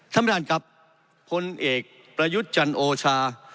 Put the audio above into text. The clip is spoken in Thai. ท่านประธานครับพลเอกประยุทธ์จันโอชา